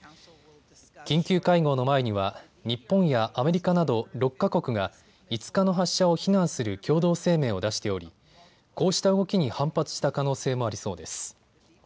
緊急会合の前には日本やアメリカなど６か国が５日の発射を非難する共同声明を出しておりこうした動きに反発した可能性もありそうです。